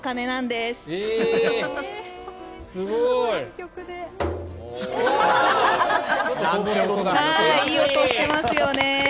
すごい！いい音してますよね。